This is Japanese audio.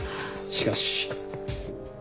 しかし。